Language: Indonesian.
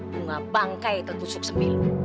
bunga bangkai tertusuk sembil